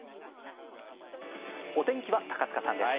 お天気は高塚さんです。